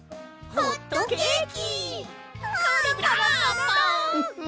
ホットケーキ！